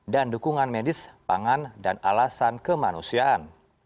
dan dukungan medis pangan dan alasan kemanusiaan